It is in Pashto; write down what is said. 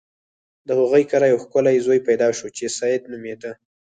د هغوی کره یو ښکلی زوی پیدا شو چې سید نومیده.